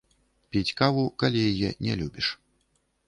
Піць каву, калі яе не любіш.